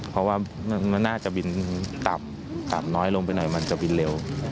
เพราะว่ามันน่าจะบินต่ำตับน้อยลงไปหน่อยมันจะบินเร็ว